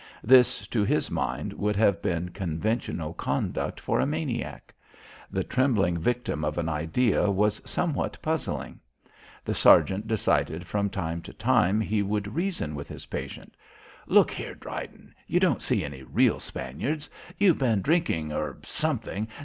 This, to his mind, would have been conventional conduct for a maniac. The trembling victim of an idea was somewhat puzzling. The sergeant decided that from time to time he would reason with his patient. "Look here, Dryden, you don't see any real Spaniards. You've been drinking or something.